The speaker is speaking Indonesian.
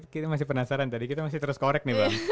kita masih penasaran tadi kita masih terus korek nih bang